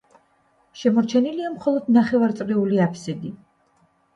შემორჩენილია მხოლოდ ნახევარწრიული აფსიდი.